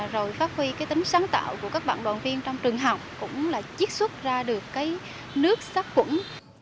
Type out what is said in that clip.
rồi phát huy cái tính sáng tạo của các bạn đoàn viên trong trường học cũng là chiếc xuất ra được cái nước sắc quẩn